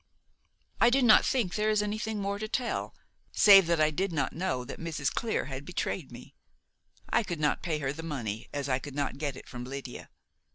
"I do not think there is anything more to tell, save that I did not know that Mrs. Clear had betrayed me. I could not pay her the money, as I could not get it from Lydia.